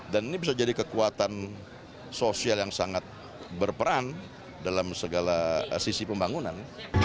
dan ini bisa jadi kekuatan sosial yang sangat berperan dalam segala sisi pembangunan